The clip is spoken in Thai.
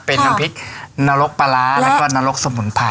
เป็นน้ำพริกนรกปลาร้าแล้วก็นรกสมุนไพร